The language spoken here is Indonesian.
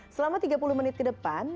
selama tiga puluh menit ke depan